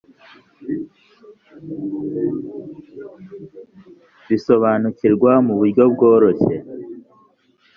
babisobanukirwa mu buryo bworoshye